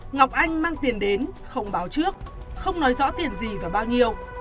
ngọc anh mang tiền đến không báo trước không nói rõ tiền gì và bao nhiêu